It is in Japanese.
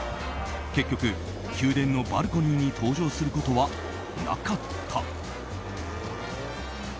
結局、宮殿のバルコニーに登場することはなかった。